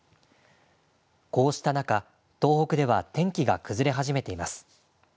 こうした中、東北では天気が崩れ始めています。